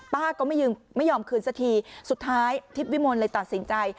ป้าก็ไม่ยอมคืนสักทีสุดท้ายทิพย์วิมลเลยตัดสินใจ